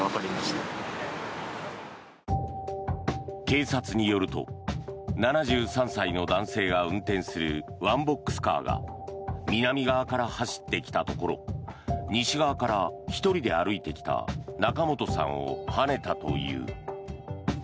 警察によると７３歳の男性が運転するワンボックスカーが南側から走ってきたところ西側から１人で歩いてきた仲本さんをはねたという。